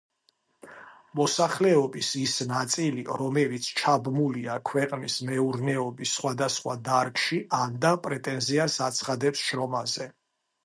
მოსახლეობის ის ნაწილი, რომელიც ჩაბმულია ქვეყნის მეურნეობის სხვადასხვა დარგში, ანდა პრეტენზიას აცხადებს შრომაზე.